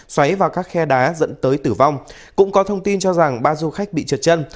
xoáy vào các khe đá dẫn tới tử vong cũng có thông tin cho rằng ba du khách bị trượt chân